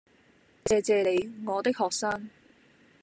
謝謝你，我的學生